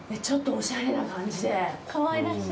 ちょっとおしゃれな感じで。